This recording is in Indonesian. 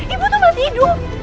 ibu tuh masih hidup